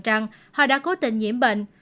rằng họ đã cố tình nhiễm bệnh